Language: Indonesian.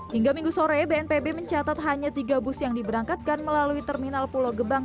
hingga minggu sore bnpb mencatat hanya tiga bus yang diberangkatkan melalui terminal pulau gebang